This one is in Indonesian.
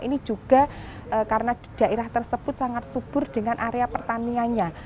ini juga karena daerah tersebut sangat subur dengan area pertaniannya